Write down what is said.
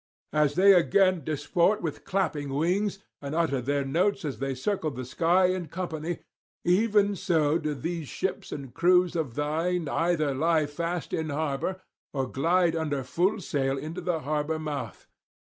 As they again disport with clapping wings, and utter their notes as they circle the sky in company, even so do these ships and crews of thine either lie fast in harbour or glide under full sail into the harbour mouth.